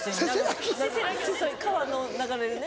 川の流れでね。